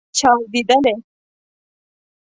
چاودیدلې